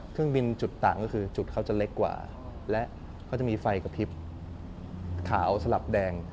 เครื่องบินจุดต่างก็คือจุดเขาจะเล็กกว่าและเขาจะมีไฟกระพริบขาวสลับแดง